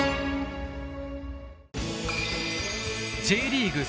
Ｊリーグ